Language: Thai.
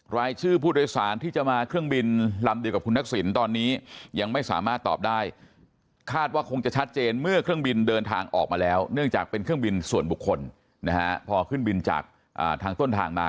รายชื่อผู้โดยสารที่จะมาเครื่องบินลำเดียวกับคุณทักษิตตอนนี้